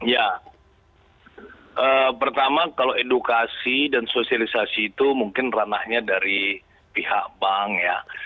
ya pertama kalau edukasi dan sosialisasi itu mungkin ranahnya dari pihak bank ya